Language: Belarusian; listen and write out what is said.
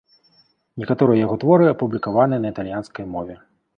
Некаторыя яго творы апублікаваны на італьянскай мове.